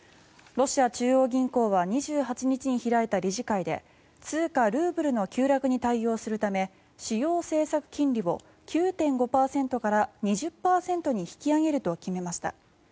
ロシア中央銀行は２８日に開いた理事会で通貨ルーブルの急落に対応するため主要政策金利を９．５％から２０％に引き上げると決めました。